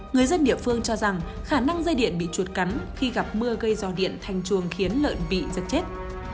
người dân địa phương cho rằng khả năng dây điện bị chuột cắn khi gặp mưa gây ro điện thành chuồng khiến lợn bị giật chết